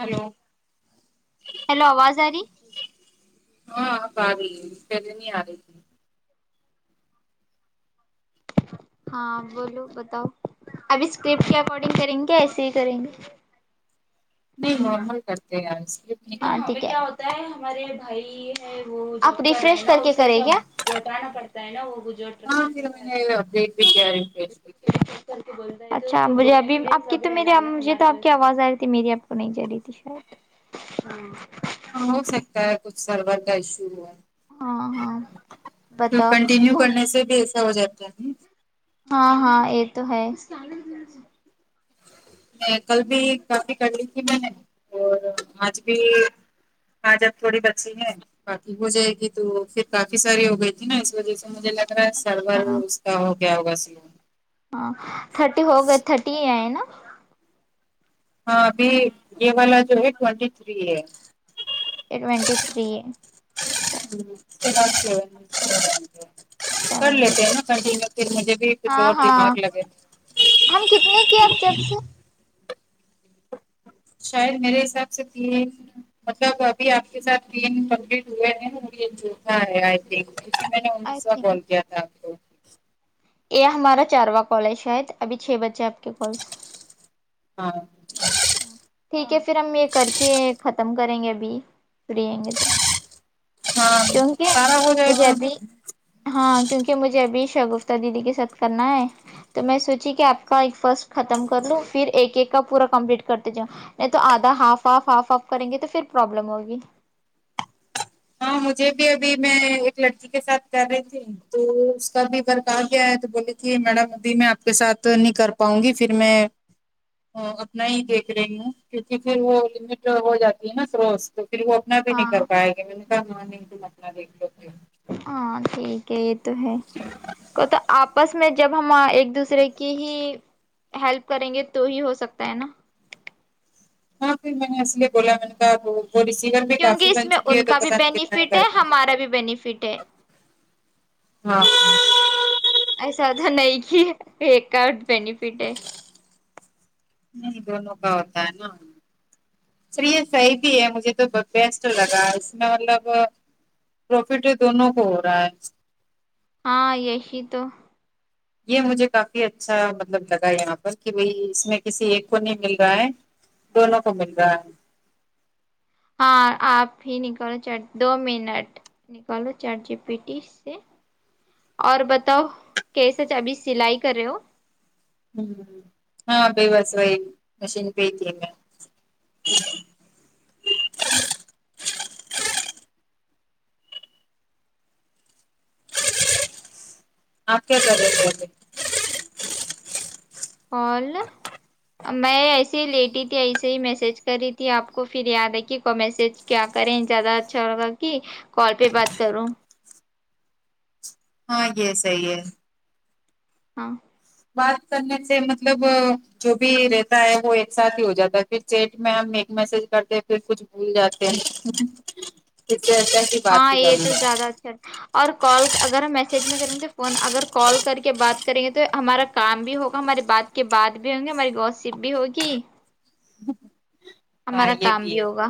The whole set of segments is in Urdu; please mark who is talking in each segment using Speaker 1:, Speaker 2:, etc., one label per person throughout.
Speaker 1: ہلو
Speaker 2: ہیلو آواز آ ری
Speaker 1: ہاں اب آری ہے پہلے نہیں آ رہی تھی
Speaker 2: ہاں بولو بتاؤ ابھی اسکرپٹ کے اکارڈنگ کریں گے کیا ایسے ہی کریں گے
Speaker 1: نہیں نارمل کرتے آج
Speaker 2: ہاں ٹھیک ہے ہوتا ہےارے بھائی‌ہے وہ آپ ریفریش کر کے کرے کیا بتانا پڑتا ہے نا وہ جو
Speaker 1: ہاں پہر میں نے اپڈیٹ بھی کیا ریفریش بھی کیا
Speaker 2: اچھا مجھے ابھی آپ کی تو میرے مجھے تو آپ کی آواز آ رہی تھی میری آپ کو نہیں جا رہی تھی شاید ہاں
Speaker 1: ہاں ہو سکتا ہے کچھ سرور کا ایشو ہو ہے
Speaker 2: ہاں ہاں
Speaker 1: پھر کنٹینیو
Speaker 2: بتاؤ
Speaker 1: کرنے سے بھی ایسا ہو جاتا ہے ن
Speaker 2: ہاں ہاں یہ تو ہے
Speaker 1: میں کل بھی کافی کر لی تھی میں نے اور آج بھی ہا جب تھوڑی بچی ہے باقی ہو جائے گی تو پھر کافی ساری ہو گئی تھی نا اس وجہ سے مجھے لگ سرور
Speaker 2: ہاں
Speaker 1: اس کا ہو گیا ہوگا سلو
Speaker 2: ہاں تھرٹی ہوگۓ تھرٹی ہی آۓنا
Speaker 1: ہاں ابھی یہ والا جو ہے ٹوینٹی ٹھری ہے
Speaker 2: ٹوینٹی تھری
Speaker 1: [unintelligible] کر
Speaker 2: سیون
Speaker 1: لیتے
Speaker 2: بچ
Speaker 1: ہیں نا کنٹینیو پھر مجھے بھی کچھ
Speaker 2: ہاں
Speaker 1: اور دیں
Speaker 2: ہاں
Speaker 1: اورگے لگے
Speaker 2: ہم کتنے کیا اب جب سے
Speaker 1: شاید میرے حساب سے تین مطلب ابھی آپ کے ساتھ تین کمپلیٹ ہوئے ہیں یہ جوتھا ہےآئی تھنک میں نے
Speaker 2: آئی
Speaker 1: انیس وا
Speaker 2: تھنک
Speaker 1: کول کیایا تھا آپ کو
Speaker 2: یہ ہمارا چارواں کال ہے شاید ابھی چھ بجے آپ کے کالس
Speaker 1: ہاں
Speaker 2: ٹھیک ہے پھر ہم یہ کر کے ختم کریں گے ابھی فریئیں گے تو
Speaker 1: ہاں
Speaker 2: کیونکہ
Speaker 1: سارا ہو جائے تو
Speaker 2: مجھے ابھی ہاں کیونکہ مجھے ابھی شگفتا دیدی کے ساتھ کرنا ہے تو میں سوچی کہ آپ کا ایک فرسٹ ختم کر لوں پھر ایک ایک کا پورا کمپلیٹ کرتے جاو نہیں تو آدھا ہاف آف ہاف آف کریں گے تو پھر پرابلم ہوگی
Speaker 1: ہاں مجھے بھی ابھی میں ایک لڑکی کے ساتھ کر رہی تھی تو اس کا بھی ورک ر آگیا ہے تو بولے جی میڈم ابھی میں آپ کے ساتھ نہیں کر پاؤں گی پھر میں ا اپنا ہی دیکھ رہی ہوں کیونکہ پھر وہ لمٹ ہو جاتی ہے نا فروز تو پھر وہ انا بھی نہیں کر
Speaker 2: ہاں
Speaker 1: پائے گی م کہ نہیں تم اپنا دیکھ لو
Speaker 2: ہاں ٹھیک ہے یہ تو ہے تو آپس وا جب ہم ہاں ایک دوسرے کی ہی ہیلپ کریں گے تو ہی ہو سکتا ہے نا
Speaker 1: ہاں تو میں نے اسلۓ بولا میں نے کہاب وہ ریسیور بھی کافی
Speaker 2: کیونکہ اس
Speaker 1: بن
Speaker 2: میں
Speaker 1: چکی ہے
Speaker 2: ان
Speaker 1: تو
Speaker 2: کا بھی
Speaker 1: پتا نہیں کتنا ہی
Speaker 2: بینیفٹ ہے
Speaker 1: کرتا
Speaker 2: ہمارا بھی بینیفٹ ہے
Speaker 1: ہاں
Speaker 2: ایسا ہو تھا نہیں کی ایک ‌ کارڈ بینیفٹ ہے
Speaker 1: نہیں دونوں کا ہوتا ہے نا چلیئے صحیح بھی ہے مجھے تو بیسٹ لگا اس میں مطلب پروفٹ ہی دونوں کو ہو رہا ہے
Speaker 2: ہاں یہی تو
Speaker 1: یہ مجھے کافی اچھا مطلب لگا یہاں پر کہ بھائی اس میں کسی ایک کو نہیں مل رہا ہے دونوں کو مل رہا ہے
Speaker 2: ہاں آپ ہی نکلو چٹ دو منٹ نکالو چارٹ جی پیٹیس سے اور بتاؤ کیسا جا ابھی سلائی کر رہے ہو
Speaker 1: ہ ہاں وہی بس وہائی مشین پی ہتی ہے میں آپ کیا کر رہتے
Speaker 2: اول میں ایسے ہی لیٹی تھی ایسے ہی میسج کر رہی تھی آپ کو پھر یاد ہے کہ کو میسج کیا کریں زیادہ اچھا لگا کہ کال پہ بات کروں
Speaker 1: ہاں یہ صحیح ہے
Speaker 2: ہاں
Speaker 1: بات کرنے سے مطلب جو بھی رہتا ہے وہ ایک ساتھ ہی ہو جاتا ہے پھر چیٹ میں ہم ایک میسج کرتے پھر کچھ نہیں جاتے ہیں اس سے اچھا ہے کی بات
Speaker 2: ہاں
Speaker 1: بھی
Speaker 2: یہ
Speaker 1: کروں
Speaker 2: تو
Speaker 1: گا
Speaker 2: زیادہ اچھا رہ اور کال اگر ہم میسج میں کریں گے تو فون اگر کال کر کے بات کریں گے تو ہمارا کام بھی ہوگا ہماری بات کے بات بھی ہوں گے ہماری گو سپ بھی ہوگی
Speaker 1: ہاں
Speaker 2: ہمارا
Speaker 1: یہ
Speaker 2: کام بھی ہوگا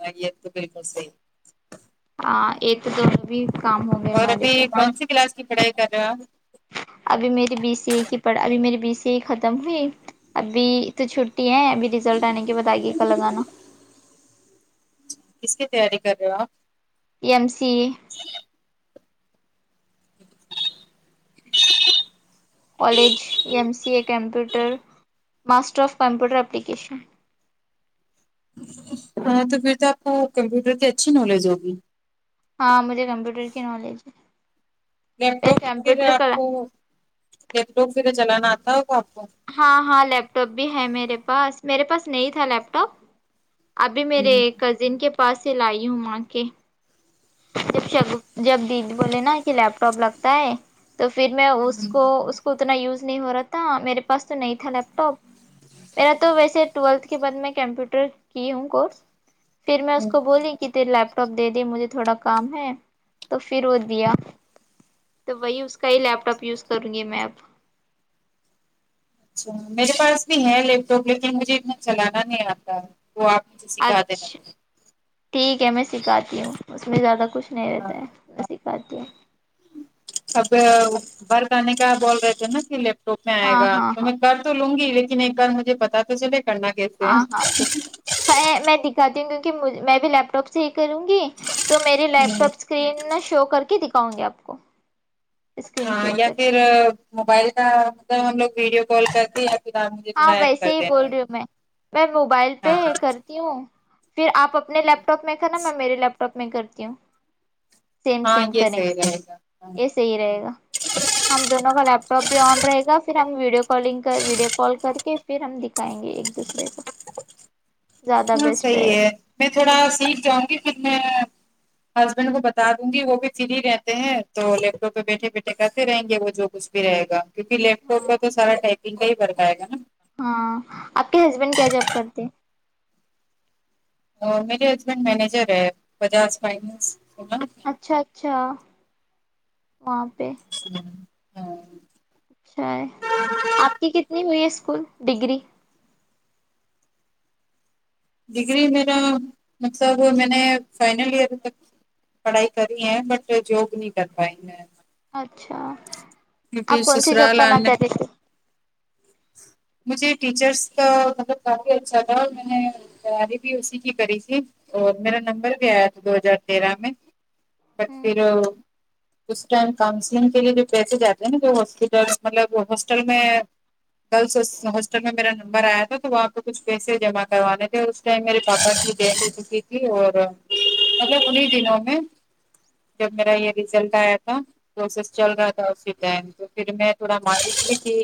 Speaker 1: ہے یہت تو بالکل صیح
Speaker 2: [unintelligible] گئے
Speaker 1: اور
Speaker 2: ہمارے
Speaker 1: ابھی
Speaker 2: تو
Speaker 1: کون سی کلاس کی پڑھائی کر رہا ہے ہو آپ
Speaker 2: ابھی میری بی سی ا کی پڑھ ابھی میری بی سی اے ختم ہوئی ابھی تو چھٹی ہے ابھی رزلٹ آنے کے باد آگئیے کا لگانا
Speaker 1: کس کی تیاری کر رہے ہو آپ
Speaker 2: E M C college M C a computer master of computer application
Speaker 1: ہاں تو پھر تو آپ کو کمپیوٹر کی اچھی نالج ہوگی
Speaker 2: ہاں مجھے کمپیوٹر کی نالج ہے
Speaker 1: لیپ ٹاپ پھر
Speaker 2: کمپیوٹر
Speaker 1: آپ
Speaker 2: کا
Speaker 1: کو لیپ ٹاپ پھر چلانا آتا ہوگا آپ کو
Speaker 2: ہاں ہاں لیپ ٹاپ بھی ہے میرے پاس میرے پاس نہیں تھا لیپ ٹاپ ابھی میرے
Speaker 1: ہوں
Speaker 2: کزن کے پاس سے لائی ہوں وہاں کے جب شا دی دی بولے نا کہ لیپ ٹاپ لگتا ہے تو پھر میں اس کو اس کو اتنا یوز نہیں ہو رہا تھا میرے پاس تو نہیں تھا لیپ ٹاپ میرا تو ویسے ٹویلتھ کے بعد میں کمپیوٹر کی ہوں کورس پھر میں اس کو
Speaker 1: اچھا
Speaker 2: بولی کہ تری لیپ ٹاپ دے دے مجھے تھوڑا کام ہے تو پھر وہ دیا تو وہی اس کا ہی لیپ ٹاپ یوز کروں گی میں اب
Speaker 1: اچھا میرے پاس بھی ہے لیپٹاپ لیکن مجھے اتنا چلانا نہیں آتا ہے وہ آپ مجھے سکھا
Speaker 2: آج
Speaker 1: دینا
Speaker 2: ٹھیک ہے میں سکھاتی ہوں اس میں زیادہ کچھ نہیں
Speaker 1: ہاں
Speaker 2: رہتا ہےمیں سکھاتی ہوں
Speaker 1: اب برک آنے کا بول رہے تھے نا کہ لیپٹاپ میں آئے
Speaker 2: ہاں
Speaker 1: گا
Speaker 2: ہاں
Speaker 1: تو
Speaker 2: ہاں
Speaker 1: میں بار تو لوں گی لیکن ایک بار مجھے پتا تو چلے کرنا کیسے
Speaker 2: ہاں
Speaker 1: ہے۔
Speaker 2: ہاں ٹھیک میں دکھاتی ہوں کیونکہ میں بھی لیپ ٹاپ سے ہی کروں گی تو میری لیپ ٹاپ اسکرین شو کر کے دکھاؤں گی آپ کو اسکرین
Speaker 1: ہاں
Speaker 2: شیئر
Speaker 1: یا
Speaker 2: کر
Speaker 1: پھر موبائل کا مطلب ہم لوگ ویڈیو کال کرتے یا پھر آپ مجھے
Speaker 2: ہاں
Speaker 1: تھوڑا ہیلپ کر
Speaker 2: ویسے ہی بول
Speaker 1: دینا
Speaker 2: رہی ہوں میں میں موبائل پہ
Speaker 1: ہاں
Speaker 2: کر ہوں پھر آپ اپنے لیپ ٹاپ میں کر نا میں میرے لیپ ٹاپ میں کرتی ہوں سیم
Speaker 1: ہاں
Speaker 2: سیم
Speaker 1: یہ
Speaker 2: کریں
Speaker 1: صحیح
Speaker 2: گے
Speaker 1: رہے گا ہاں
Speaker 2: اس صحیح رہے گا ہم دونوں کا لیپٹاپ بھی آن رہے گا پھر ہم ویڈیو کالگ کر ویڈیو کال کر کے پھر ہم دکھائیں گے ایک دوسرے کو زیادہ
Speaker 1: ہاں
Speaker 2: بیسٹ
Speaker 1: صحیح
Speaker 2: رہے گا
Speaker 1: ہے میں تھوڑا سیکھ جاؤں گی پھر میں ہسبینڈ کو بتا دوں گی وہ بھی فری رہتے ہیں تو لیپٹاپ پہ بیٹھے بیٹھے کرتے رہیں گے وہ جو کچھ بھی رہےگا کیونکہ لیپٹاپ
Speaker 2: ہاں
Speaker 1: کا تو سارا ٹپنگ کا ہی ورک آے گا نہ
Speaker 2: ہاں آپ کے ہسبینڈ کیا جاب کرتے
Speaker 1: ہیں میرے ہسبینڈ مینیجر ہے بجاج فائننس ہے نا
Speaker 2: اچھا اچھا وہاں پہ
Speaker 1: [unintelligible]
Speaker 2: اچھا ہے آپ کی کتنی ہوئی ہے اسکول ڈگری
Speaker 1: ڈگری میرا مطلب میں نے فائنل ایئر تک پڑھائی کری ہے بٹ جاب نہیں کر پائی میں
Speaker 2: اچھا آپ
Speaker 1: کیونکہ
Speaker 2: کون سی جاب
Speaker 1: سسرال
Speaker 2: کرنا
Speaker 1: آنے
Speaker 2: چاہتے تھے
Speaker 1: مجھے ٹیچرس کا ا مطلب کافی اچھا تھا میں نے تیاری بھی اسی کی کری تھی اور میرا نمبر بھی آیا تھا دو ہزار تیرہ میں بٹ پھر اس ٹائم کاؤنسلنگ کےلیے جو پیسے جاتے ہیں نا کہ ہاسپٹل مطلب ہاسٹل میں گرلس ہاسٹل میں میرا نمبر آیا تھا تو وہاں پہ کچھ پیسے جمع کروانے تھے کیا میرے پاپا کی ڈیتھ ہو چکی تھی اور مطلب ان ہی دنوں میں جب میرا یہ ریزلٹ آیا تھا کورسس چل رہا تھا اسی ٹائم تو پھر میں تھوڑا مری ٹھی کی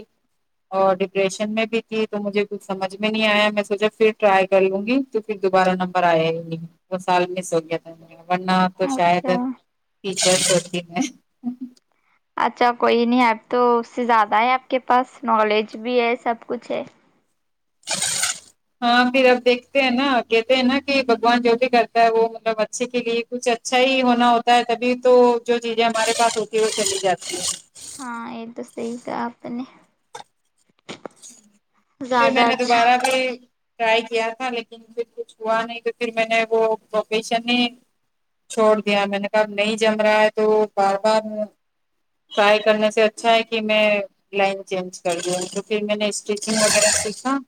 Speaker 1: اور ڈپریشن میں بھی تھی تو مجھے کچھ سمجھ میں نہیں آیا میں سوچا پھر ٹرائی کر لوں گی تو پھر دوبارہ نمبر آیا ہی نہی وہ سال مس ہو گیا تھا ورنا شاید
Speaker 2: اچھا
Speaker 1: ٹیچرس ہوتی میں
Speaker 2: اچھا کوئی نہیں اب تو اس سے زیادہ ہے آپ کے پاس نالج بھی ہے سب کچھ ہے
Speaker 1: [unintelligible] ہاں پھر اب دیکھتے ہیں نا کہتے ہیں نا کہ بھگوان جو بھی کرتا ہے وہ مطلب اچھے کے لیے کچھ اچھا ہی ہونا ہوتا ہے تبھی تو جو چیزیں ہمارے پاس ہوتی ہے وہ چلی جاتی ہیں
Speaker 2: ہاں ایک دم صحیح کہا آپ نے
Speaker 1: پھر
Speaker 2: زیادہ
Speaker 1: میں نے
Speaker 2: اچھا
Speaker 1: دوبارہ بھی ٹرائی کیا تھا لیکن پھر کچھ ہوا نہیں تو پھر میں نے وہکیشن چھوڑ دیا میں نے کہا اب نہیں جم رہا ہے تو بار بار ٹرائی کرنے سے اچھا ہے کہ میں لائن چینج کر دوں تو پھر میں نے اسٹیچنگ وغیرہ سیکھا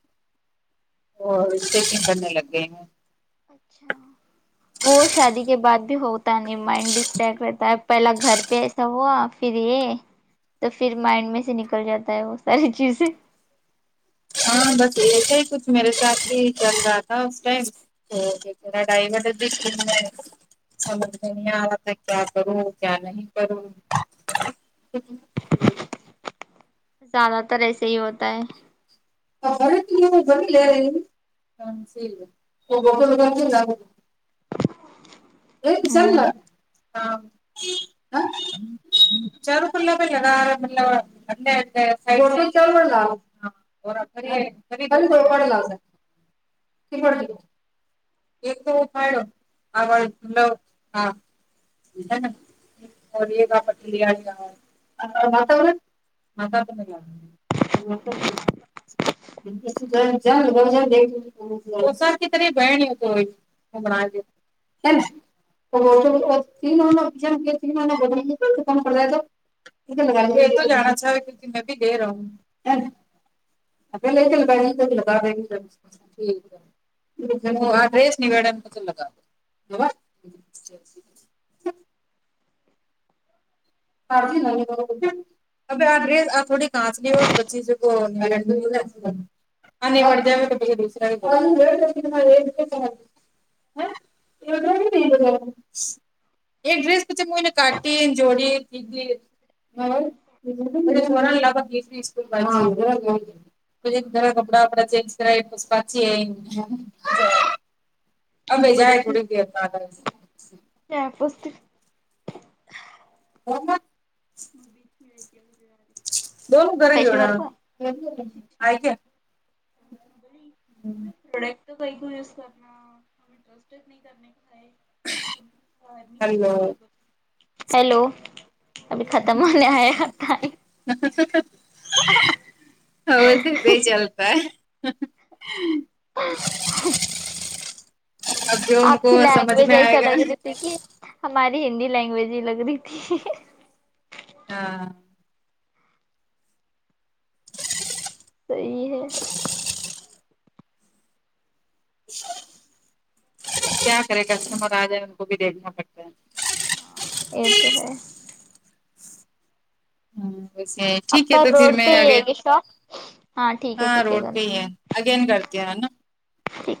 Speaker 1: اور اسٹیچنگ کرنے لگ گئی میں
Speaker 2: اچھا وہ شادی کے بعد بھی ہو تا نہیں مائنڈ ڈسٹریکٹ رہتا ہے پہلا گھر پہ ایسا ہوا پھر یہ تو پھر مائنڈ میں سے نکل جاتا ہے وہ ساری چیزیں
Speaker 1: ہاں بس ایسے ہی کچھ میرے ساتھ بھی چل رہا تھا اس ٹائم [unintelligible] سمجھ میں نہیں آ رہا تھا کیا کروں کیا نہیں کروں [unintelligible]
Speaker 2: زیادہ تر ایسے ہی ہوتا ہے
Speaker 1: اور [unintelligible]
Speaker 2: ہوں
Speaker 1: [unintelligible] ہاں [unintelligible] [unintelligible] ایک تو [unintelligible] [unintelligible] [unintelligible] [unintelligible] ہ [unintelligible] [unintelligible] [unintelligible] [unintelligible] ٹھیک ہے [unintelligible] [unintelligible] [unintelligible] تکھوڑی کانچنی ہو تو بچی کو نک کیل [unintelligible] د م بے دوسرا ہ نہیں ایک ڈریس پچے میں نے کاٹی جوڑی [unintelligible] ج مور لاگ تسیس ہاں پے گھر کپڑا وپڑا چنج کرا ےاس کہ چینج اب جائے تھڑے کی کیا کرے سو
Speaker 2: کیاپست
Speaker 1: [unintelligible]
Speaker 2: جار
Speaker 1: [unintelligible] ہیلو
Speaker 2: [unintelligible] ہیلو ابھی ختم ہونے آیا ٹائم
Speaker 1: س س ہاں وائس نی چلتا ہے
Speaker 2: ناقابلسماعت
Speaker 1: اب جو ان
Speaker 2: آپ
Speaker 1: کو
Speaker 2: کی
Speaker 1: سمجھ
Speaker 2: لینگویج
Speaker 1: میں آئے
Speaker 2: ایسا
Speaker 1: گا
Speaker 2: لگ رہی تھی کہ ہماری ہندی لینگویج ہی لگ رہی تھی
Speaker 1: ہاں
Speaker 2: صحی ہے
Speaker 1: کیا کرے کسٹمر آجائے ان کو بھی دیکھنا پڑتا ہیں
Speaker 2: ہاں یہ تو ہے
Speaker 1: ٹھیک
Speaker 2: آپ
Speaker 1: ہے
Speaker 2: کا
Speaker 1: تو پھر
Speaker 2: روڈ
Speaker 1: میں
Speaker 2: پہ ہی
Speaker 1: آگے
Speaker 2: ہے کہ شاپ ٹھیک ہے
Speaker 1: ہاں
Speaker 2: ٹھیک
Speaker 1: روڈ پہ ہی ہے اگین کرتی ہے نا
Speaker 2: ٹھیک